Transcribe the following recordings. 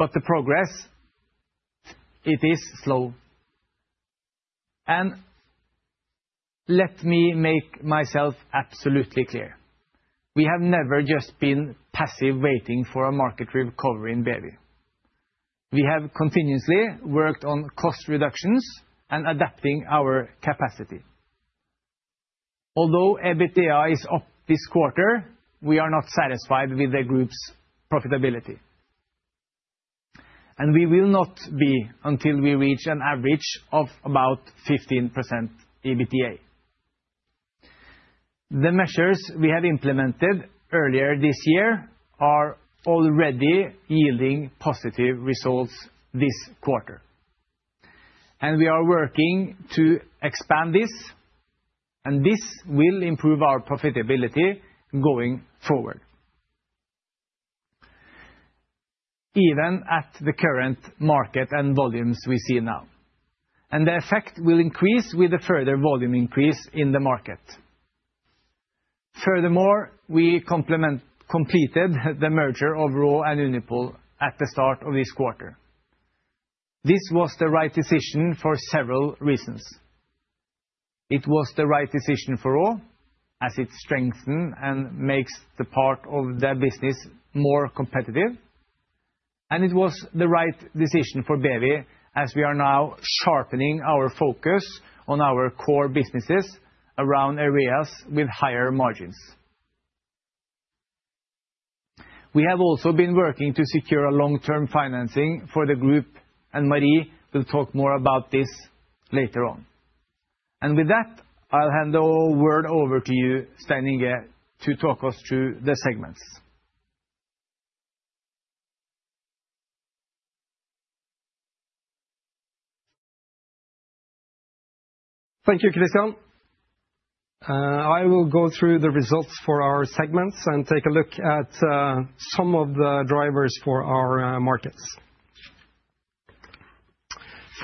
We have never just been passive waiting for a market recovery in BEWI. We have continuously worked on cost reductions and adapting our capacity. Although EBITDA is up this quarter, we are not satisfied with the Group's profitability. We will not be until we reach an average of about 15% EBITDA. The measures we have implemented earlier this year are already yielding positive results this quarter. We are working to expand this, and this will improve our profitability going forward. Even at the current market and volumes we see now. The effect will increase with the further volume increase in the market. Furthermore, we completed the merger of RAW and Unipol at the start of this quarter. This was the right decision for several reasons. It was the right decision for RAW, as it strengthens and makes the part of the business more competitive. It was the right decision for BEWI, as we are now sharpening our focus on our core businesses around areas with higher margins. We have also been working to secure long-term financing for the Group, and Marie will talk more about this later on. With that, I'll hand the word over to you, Stein Inge, to talk us through the segments. Thank you, Christian. I will go through the results for our segments and take a look at some of the drivers for our markets.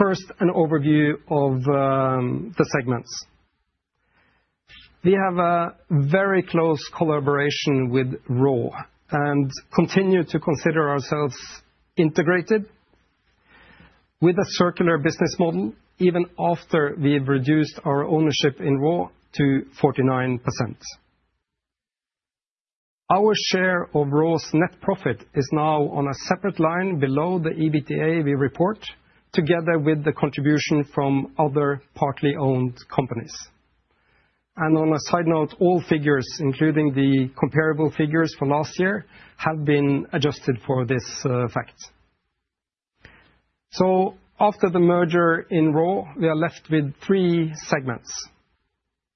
First, an overview of the segments. We have a very close collaboration with RAW and continue to consider ourselves integrated with a circular business model, even after we've reduced our ownership in RAW to 49%. Our share of RAW's net profit is now on a separate line below the EBITDA we report, together with the contribution from other partly owned companies. On a side note, all figures, including the comparable figures for last year, have been adjusted for this fact. After the merger in RAW, we are left with three segments.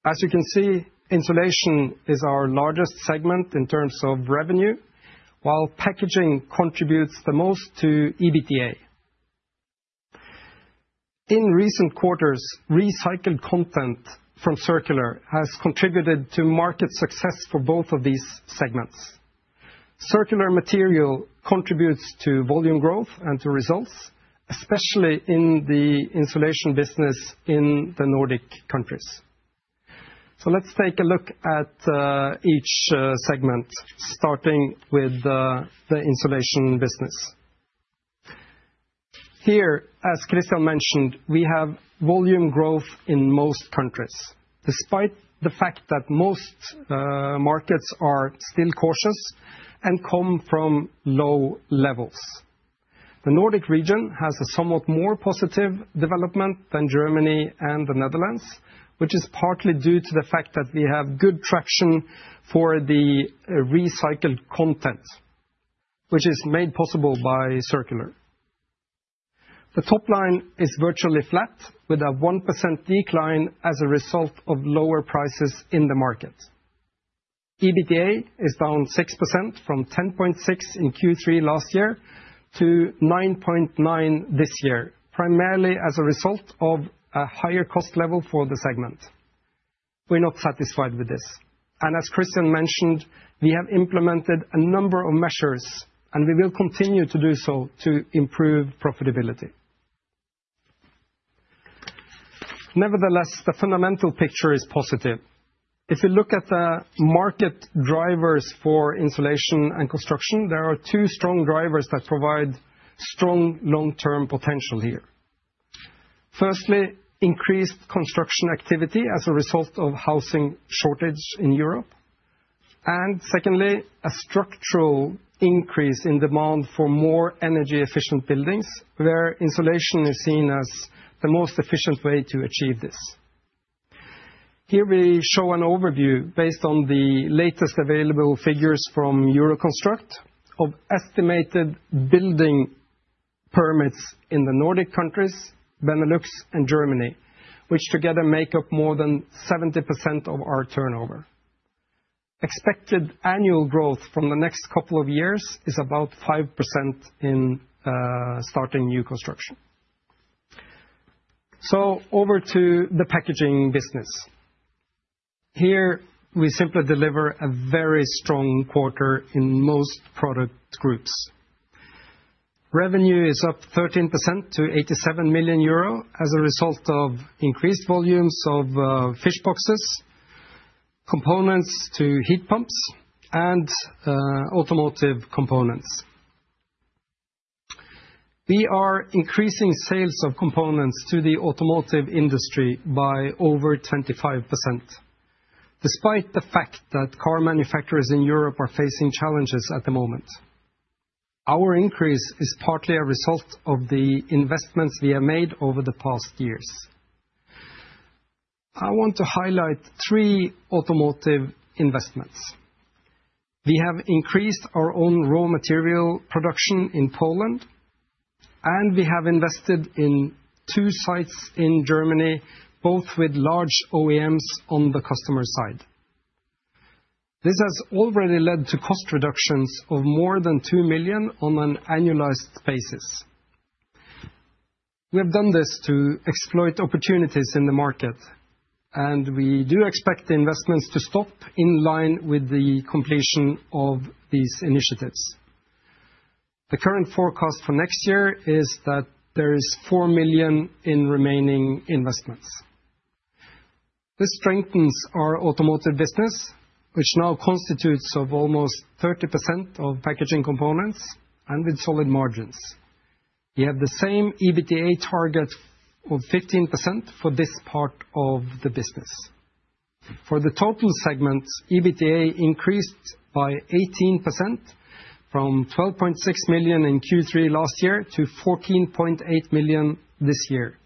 As you can see, insulation is our largest segment in terms of revenue, while packaging contributes the most to EBITDA. In recent quarters, recycled content from circular has contributed to market success for both of these segments. Circular material contributes to volume growth and to results, especially in the insulation business in the Nordic countries. Let us take a look at each segment, starting with the insulation business. Here, as Christian mentioned, we have volume growth in most countries, despite the fact that most markets are still cautious and come from low levels. The Nordic region has a somewhat more positive development than Germany and the Netherlands, which is partly due to the fact that we have good traction for the recycled content, which is made possible by circular. The top line is virtually flat, with a 1% decline as a result of lower prices in the market. EBITDA is down 6% from 10.6% in Q3 last year to 9.9% this year, primarily as a result of a higher cost level for the segment. We're not satisfied with this. As Christian mentioned, we have implemented a number of measures, and we will continue to do so to improve profitability. Nevertheless, the fundamental picture is positive. If you look at the market drivers for insulation and construction, there are two strong drivers that provide strong long-term potential here. Firstly, increased construction activity as a result of housing shortage in Europe. Secondly, a structural increase in demand for more energy-efficient buildings, where insulation is seen as the most efficient way to achieve this. Here we show an overview based on the latest available figures from Euroconstruct of estimated building permits in the Nordic countries, Benelux, and Germany, which together make up more than 70% of our turnover. Expected annual growth from the next couple of years is about 5% in starting new construction. Over to the packaging business. Here we simply deliver a very strong quarter in most product groups. Revenue is up 13% to 87 million euro as a result of increased volumes of fish boxes, components to heat pumps, and automotive components. We are increasing sales of components to the automotive industry by over 25%, despite the fact that car manufacturers in Europe are facing challenges at the moment. Our increase is partly a result of the investments we have made over the past years. I want to highlight three automotive investments. We have increased our own raw material production in Poland, and we have invested in two sites in Germany, both with large OEMs on the customer side. This has already led to cost reductions of more than 2 million on an annualized basis. We have done this to exploit opportunities in the market, and we do expect the investments to stop in line with the completion of these initiatives. The current forecast for next year is that there is 4 million in remaining investments. This strengthens our automotive business, which now constitutes almost 30% of packaging components and with solid margins. We have the same EBITDA target of 15% for this part of the business. For the total segment, EBITDA increased by 18% from 12.6 million in Q3 last year to 14.8 million this year.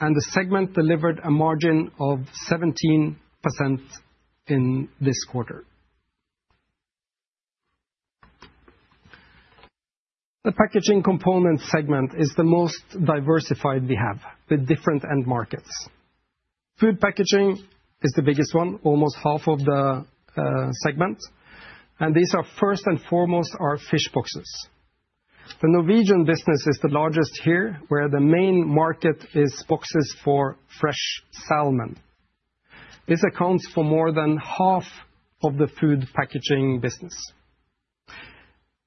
The segment delivered a margin of 17% in this quarter. The packaging components segment is the most diversified we have, with different end markets. Food packaging is the biggest one, almost half of the segment. These are first and foremost our fish boxes. The Norwegian business is the largest here, where the main market is boxes for fresh salmon. This accounts for more than half of the food packaging business.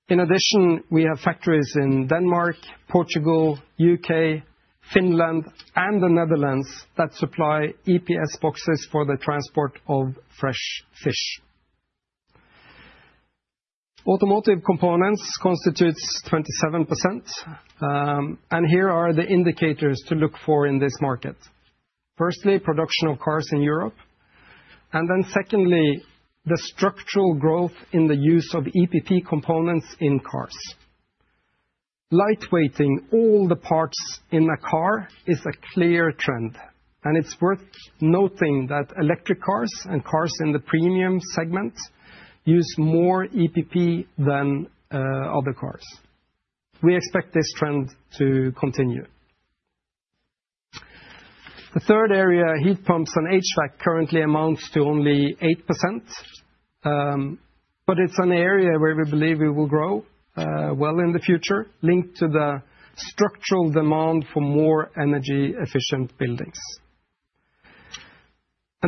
In addition, we have factories in Denmark, Portugal, the UK, Finland, and the Netherlands that supply EPS boxes for the transport of fresh fish. Automotive components constitute 27%. Here are the indicators to look for in this market. Firstly, production of cars in Europe. Secondly, the structural growth in the use of EPP components in cars. Lightweighting all the parts in a car is a clear trend. It is worth noting that electric cars and cars in the premium segment use more EPP than other cars. We expect this trend to continue. The third area, heat pumps and HVAC, currently amounts to only 8%. It is an area where we believe we will grow well in the future, linked to the structural demand for more energy-efficient buildings.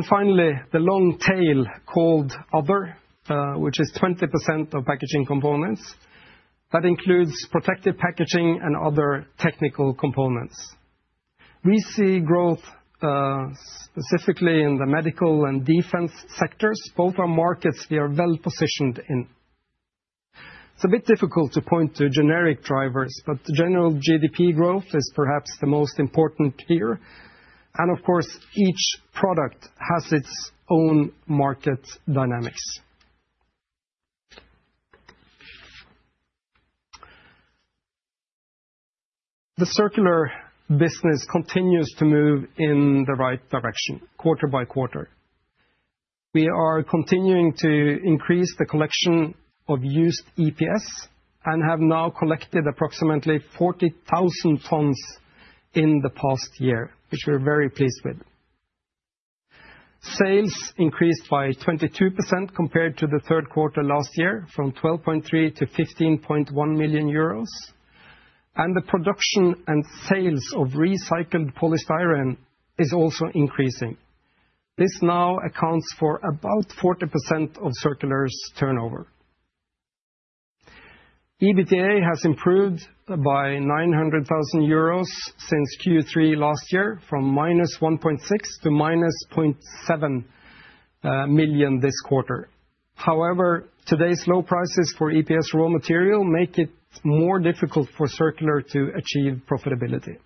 Finally, the long tail called OTHER, which is 20% of packaging components. That includes protective packaging and other technical components. We see growth specifically in the medical and defense sectors, both are markets we are well positioned in. It is a bit difficult to point to generic drivers, but the general GDP growth is perhaps the most important here. Of course, each product has its own market dynamics. The circular business continues to move in the right direction, quarter by quarter. We are continuing to increase the collection of used EPS and have now collected approximately 40,000 tons in the past year, which we are very pleased with. Sales increased by 22% compared to the third quarter last year, from 12.3 to 15.1 million. The production and sales of recycled polystyrene is also increasing. This now accounts for about 40% of circular's turnover. EBITDA has improved by 900,000 euros since Q3 last year, from minus 1.6 million to -0.7 million this quarter. However, today's low prices for EPS raw material make it more difficult for circular to achieve profitability.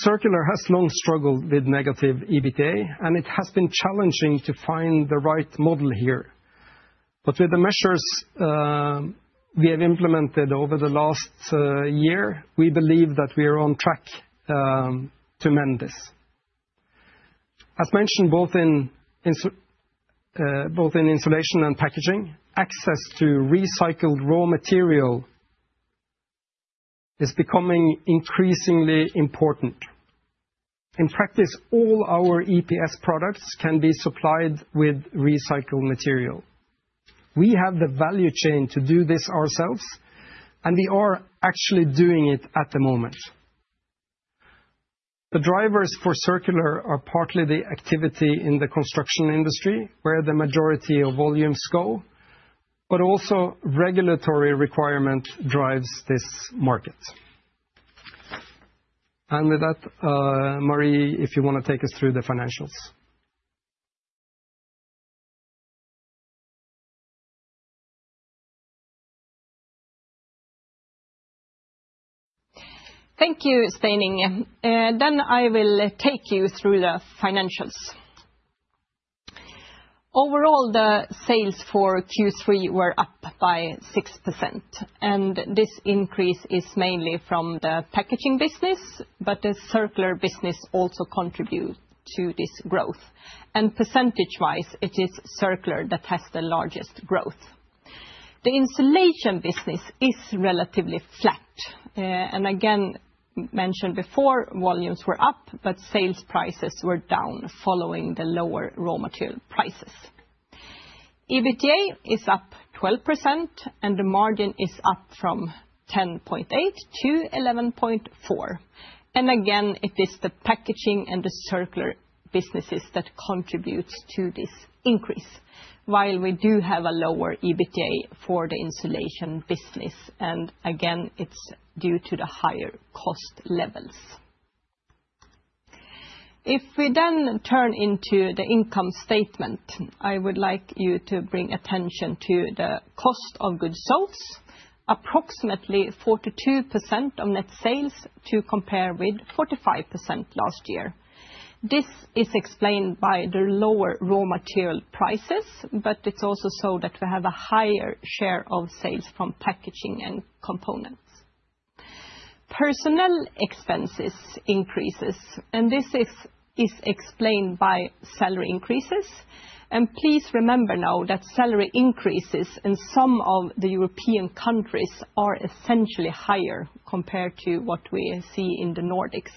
Circular has long struggled with negative EBITDA, and it has been challenging to find the right model here. With the measures we have implemented over the last year, we believe that we are on track to mend this. As mentioned, both in insulation and packaging, access to recycled raw material is becoming increasingly important. In practice, all our EPS products can be supplied with recycled material. We have the value chain to do this ourselves, and we are actually doing it at the moment. The drivers for circular are partly the activity in the construction industry, where the majority of volumes go, but also regulatory requirement drives this market. With that, Marie, if you want to take us through the financials. Thank you, Stein Inge. I will take you through the financials. Overall, the sales for Q3 were up by 6%. This increase is mainly from the packaging business, but the circular business also contributes to this growth. Percentage-wise, it is circular that has the largest growth. The insulation business is relatively flat. As mentioned before, volumes were up, but sales prices were down following the lower raw material prices. EBITDA is up 12%, and the margin is up from 10.8%-11.4. It is the packaging and the circular businesses that contribute to this increase, while we do have a lower EBITDA for the insulation business. It is due to the higher cost levels. If we then turn into the income statement, I would like you to bring attention to the cost of goods sold, approximately 42% of net sales to compare with 45% last year. This is explained by the lower raw material prices, but it's also so that we have a higher share of sales from packaging and components. Personnel expenses increases, and this is explained by salary increases. Please remember now that salary increases in some of the European countries are essentially higher compared to what we see in the Nordics.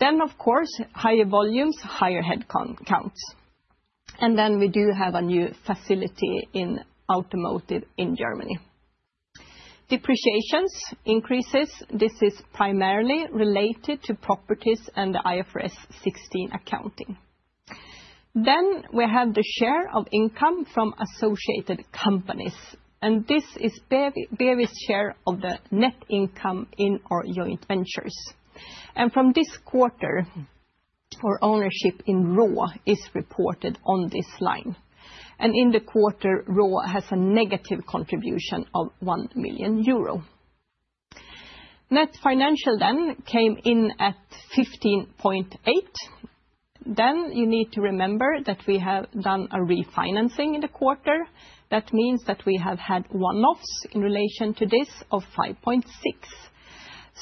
Of course, higher volumes, higher headcounts. We do have a new facility in automotive in Germany. Depreciations increases. This is primarily related to properties and the IFRS 16 accounting. We have the share of income from associated companies. This is BEWI's share of the net income in our joint ventures. From this quarter, our ownership in RAW is reported on this line. In the quarter, RAW has a negative contribution of 1 million euro. Net financial then came in at 15.8 million. You need to remember that we have done a refinancing in the quarter. That means that we have had one-offs in relation to this of 5.6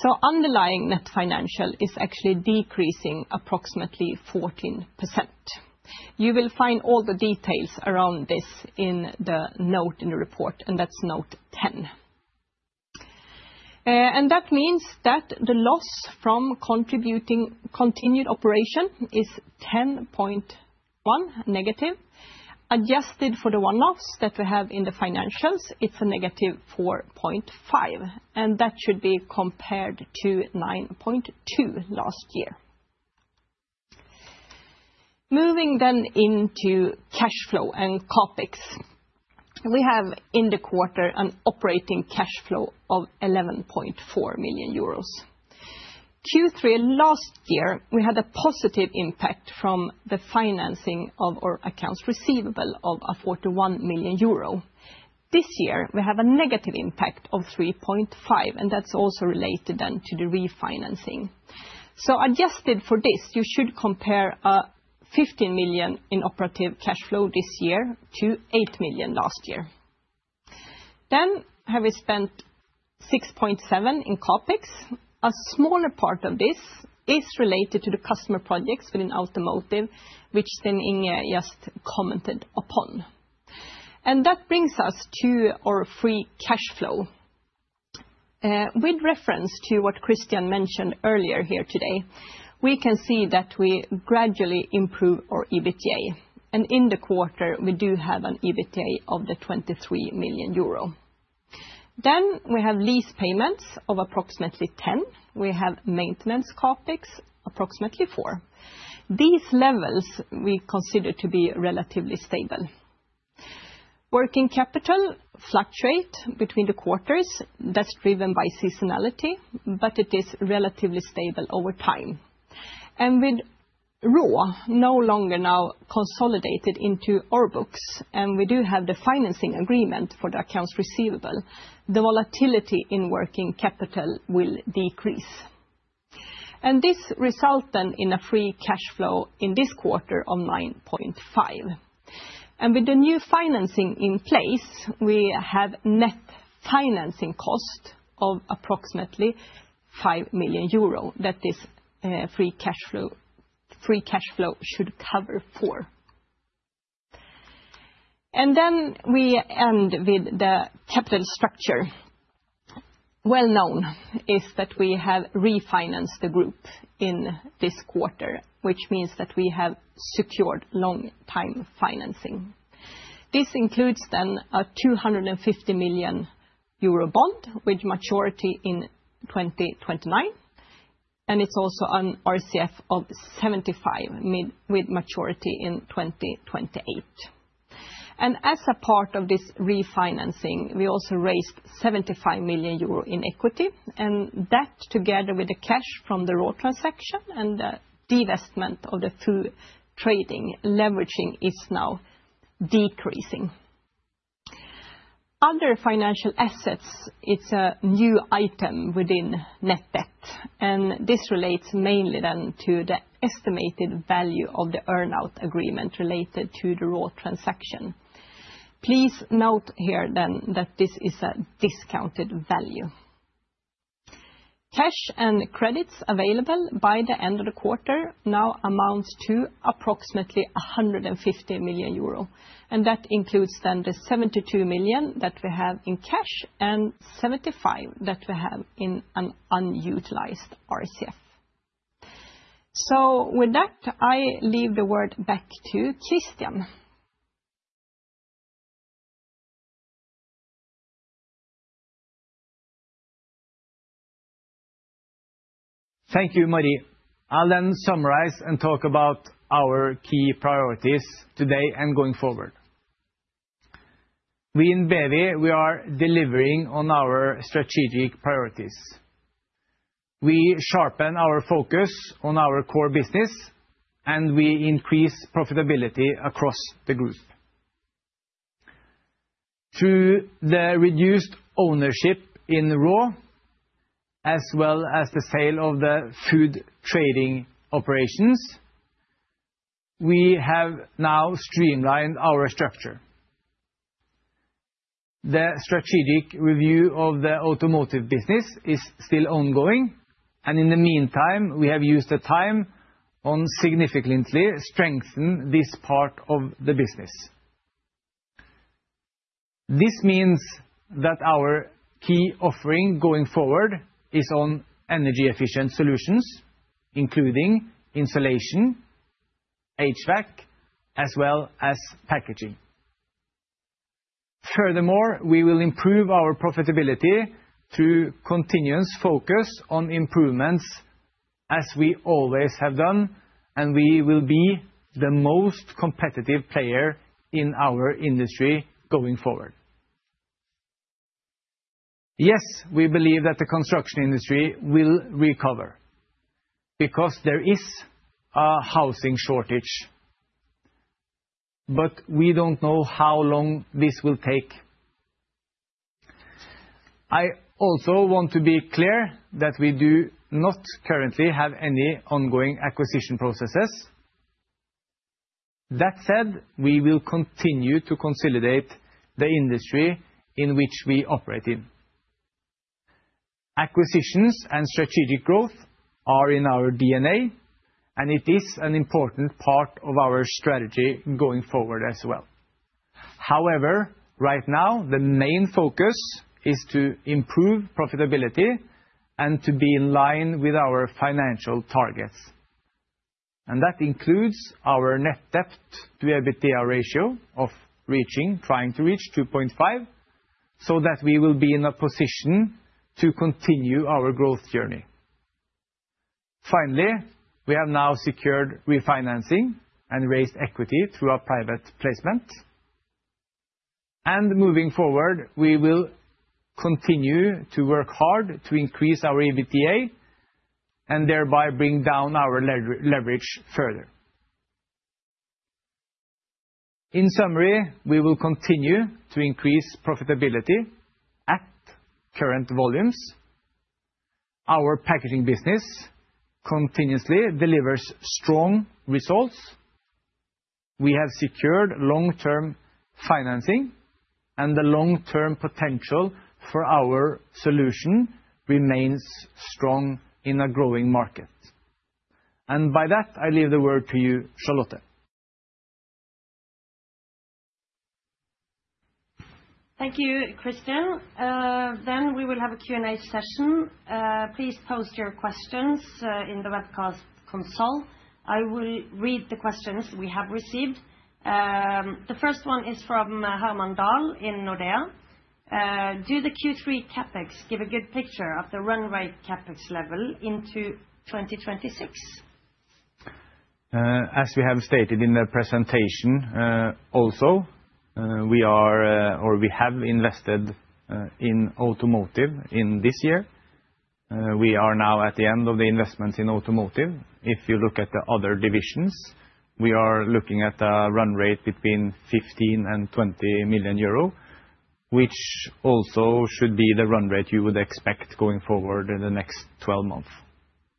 million. Underlying net financial is actually decreasing approximately 14%. You will find all the details around this in the note in the report, and that's note 10. That means that the loss from continued operation is 10.1 million-. Adjusted for the one-offs that we have in the financials, it's a -4.5 million. That should be compared to 9.2 million last year. Moving then into cash flow and CapEx. We have in the quarter an operating cash flow of 11.4 million euros. Q3 last year, we had a positive impact from the financing of our accounts receivable of 41 million euro. This year, we have a negative impact of 3.5 million, and that's also related then to the refinancing. Adjusted for this, you should compare 15 million in operative cash flow this year to 8 million last year. We have spent 6.7 million in CapEx. A smaller part of this is related to the customer projects within automotive, which Stein Inge just commented upon. That brings us to our free cash flow. With reference to what Christian mentioned earlier here today, we can see that we gradually improve our EBITDA. In the quarter, we do have an EBITDA of 23 million euro. We have lease payments of approximately 10 million. We have maintenance CapEx, approximately 4 million. These levels we consider to be relatively stable. Working capital fluctuate between the quarters. is driven by seasonality, but it is relatively stable over time. With RAW no longer now consolidated into our books, and we do have the financing agreement for the accounts receivable, the volatility in working capital will decrease. This results then in a free cash flow in this quarter of 9.5 million. With the new financing in place, we have net financing cost of approximately 5 million euro. That this free cash flow should cover for. We end with the capital structure. It is well known that we have refinanced the group in this quarter, which means that we have secured long-time financing. This includes then a 250 million euro bond with maturity in 2029. It is also an RCF of 75 million with maturity in 2028. As a part of this refinancing, we also raised 75 million euro in equity. That together with the cash from the RAW transaction and the divestment of the trading leveraging is now decreasing. Other financial assets, it's a new item within net debt. This relates mainly then to the estimated value of the earnout agreement related to the RAW transaction. Please note here then that this is a discounted value. Cash and credits available by the end of the quarter now amount to approximately 150 million euro. That includes then the 72 million that we have in cash and 75 million that we have in an unutilized RCF. With that, I leave the word back to Christian. Thank you, Marie. I'll then summarize and talk about our key priorities today and going forward. We in BEWI are delivering on our strategic priorities. We sharpen our focus on our core business, and we increase profitability across the group. Through the reduced ownership in RAW, as well as the sale of the food trading operations, we have now streamlined our structure. The strategic review of the automotive business is still ongoing. In the meantime, we have used the time on significantly strengthening this part of the business. This means that our key offering going forward is on energy-efficient solutions, including insulation, HVAC, as well as packaging. Furthermore, we will improve our profitability through continuous focus on improvements, as we always have done, and we will be the most competitive player in our industry going forward. Yes, we believe that the construction industry will recover because there is a housing shortage, but we do not know how long this will take. I also want to be clear that we do not currently have any ongoing acquisition processes. That said, we will continue to consolidate the industry in which we operate. Acquisitions and strategic growth are in our DNA, and it is an important part of our strategy going forward as well. However, right now, the main focus is to improve profitability and to be in line with our financial targets. That includes our net debt to EBITDA ratio of trying to reach 2.5, so that we will be in a position to continue our growth journey. Finally, we have now secured refinancing and raised equity through our private placement. Moving forward, we will continue to work hard to increase our EBITDA and thereby bring down our leverage further. In summary, we will continue to increase profitability at current volumes. Our packaging business continuously delivers strong results. We have secured long-term financing, and the long-term potential for our solution remains strong in a growing market. By that, I leave the word to you, Charlotte. Thank you, Christian. We will have a Q&A session. Please post your questions in the webcast console. I will read the questions we have received. The first one is from Herman Dahl in Nordea. Do the Q3 CapEx give a good picture of the runway CapEx level into 2026? As we have stated in the presentation also, we have invested in automotive in this year. We are now at the end of the investments in automotive. If you look at the other divisions, we are looking at a run rate between 15 to 20 million, which also should be the run rate you would expect going forward in the next 12 months.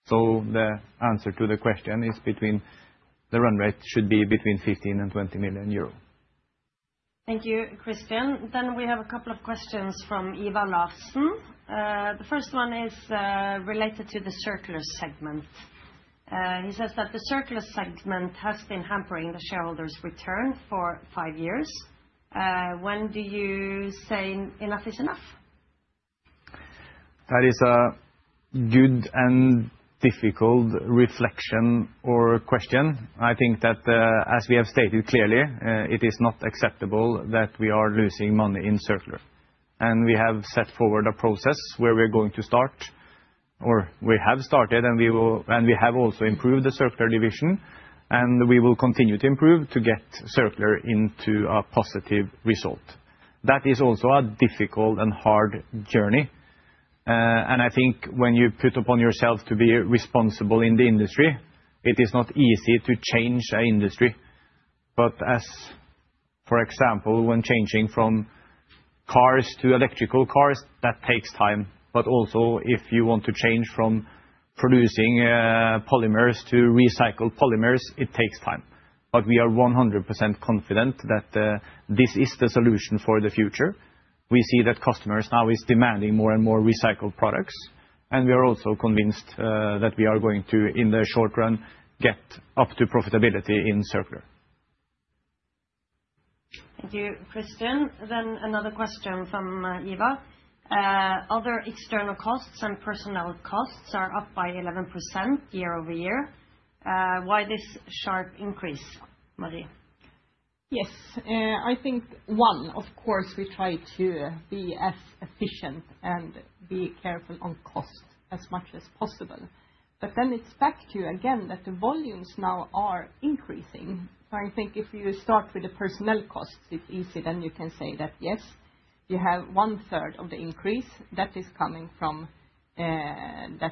The answer to the question is the run rate should be between 15 to 20 million. Thank you, Christian. We have a couple of questions from Ivar Larsen. The first one is related to the circular segment. He says that the circular segment has been hampering the shareholders' return for five years. When do you say enough is enough? That is a good and difficult reflection or question. I think that, as we have stated clearly, it is not acceptable that we are losing money in circular. We have set forward a process where we are going to start, or we have started, and we have also improved the circular division, and we will continue to improve to get circular into a positive result. That is also a difficult and hard journey. I think when you put upon yourself to be responsible in the industry, it is not easy to change an industry. For example, when changing from cars to electrical cars, that takes time. Also, if you want to change from producing polymers to recycled polymers, it takes time. We are 100% confident that this is the solution for the future. We see that customers now are demanding more and more recycled products. We are also convinced that we are going to, in the short run, get up to profitability in circular. Thank you, Christian. Another question from Ivar. Other external costs and personnel costs are up by 11% year-over-year. Why this sharp increase, Marie? Thank you, Christian. Another question from Ivar. Other external costs and personnel costs are up by 11% year-over-year. Why this sharp increase, Marie? Yes. I think one, of course, we try to be as efficient and be careful on cost as much as possible. It is back to, again, that the volumes now are increasing. I think if you start with the personnel costs, it is easy. You can say that, yes, you have one-third of the increase that is coming from the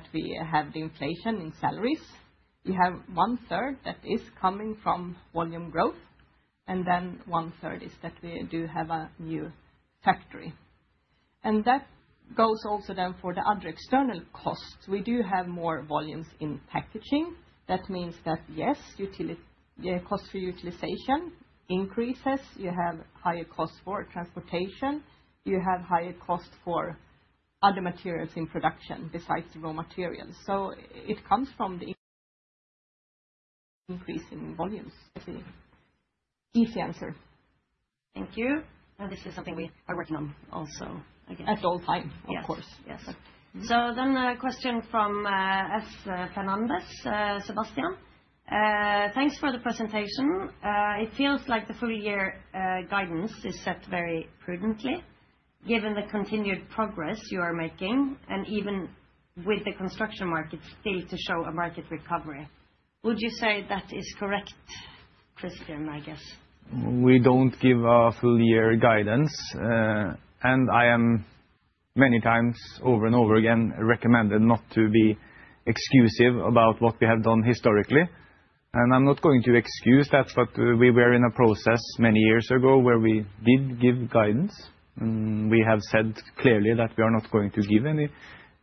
inflation in salaries. You have one-third that is coming from volume growth. One-third is that we do have a new factory. That goes also for the other external costs. We do have more volumes in packaging. That means that, yes, cost for utilization increases. You have higher costs for transportation. You have higher costs for other materials in production besides the raw materials. It comes from the increasing volumes. That is the easy answer. Thank you. This is something we are working on also, I guess. At all times, of course. Yes. So then a question from S. Fernandes, Sebastian. Thanks for the presentation. It feels like the full-year guidance is set very prudently, given the continued progress you are making, and even with the construction market still to show a market recovery. Would you say that is correct, Christian, I guess? We do not give a full-year guidance. I am many times, over and over again, recommended not to be exclusive about what we have done historically. I am not going to excuse that, but we were in a process many years ago where we did give guidance. We have said clearly that we are not going to give any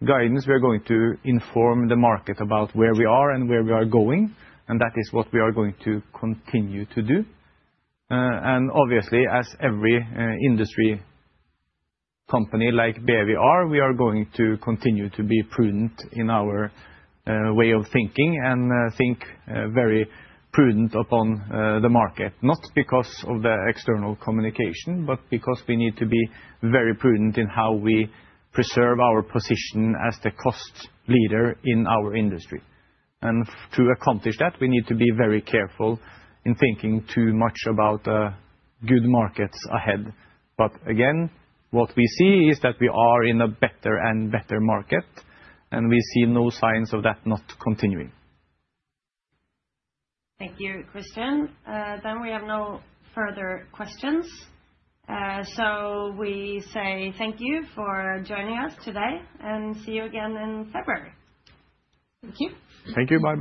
guidance. We are going to inform the market about where we are and where we are going. That is what we are going to continue to do. Obviously, as every industry company like BEWI is, we are going to continue to be prudent in our way of thinking and think very prudent upon the market, not because of the external communication, but because we need to be very prudent in how we preserve our position as the cost leader in our industry. To accomplish that, we need to be very careful in thinking too much about good markets ahead. Again, what we see is that we are in a better and better market, and we see no signs of that not continuing. Thank you, Christian. We have no further questions. We say thank you for joining us today and see you again in February. Thank you. Thank you. Bye-bye.